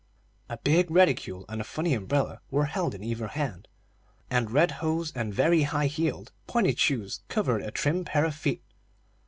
A big reticule and a funny umbrella were held in either hand, and red hose and very high heeled, pointed shoes covered a trim pair of feet.